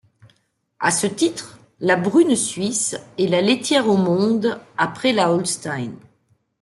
À ce titre, la brune suisse est la laitière au monde après la holstein.